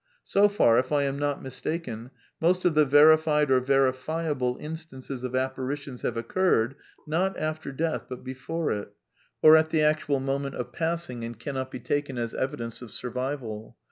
So far, if I am not mistaken, most of the verified or verifiable instances of apparitions have occurred, not after death but before it, or at the actual moment of passing, and cannot be taken as evidence of survival.